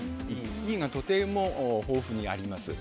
Ｅがとても豊富にあります。